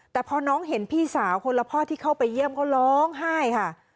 แต่พอน้องเห็นพี่สาวคนละพ่อที่เข้าไปเยี่ยมก็ร้องไห้ค่ะ